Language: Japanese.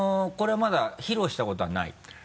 これはまだ披露したことはない？